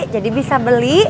jadi bisa beli